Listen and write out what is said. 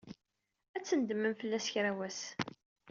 Ad tnedmem fell-as kra n wass.